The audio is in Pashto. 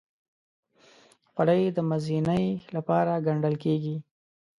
خولۍ د مزینۍ لپاره ګنډل کېږي.